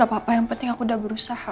gak apa apa yang penting aku udah berusaha